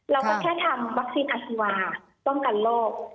เราก็แค่ทำวัคซีนอัธีวาป้องกันโรค